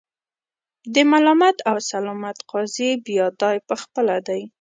د ملامت او سلامت قاضي بیا دای په خپله دی.